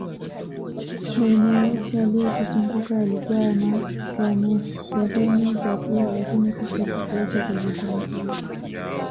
Maeneo yote yaliyotuzunguka yalikuwa yamesheheni vyakula lakini sisi hatukuweza kuvitambua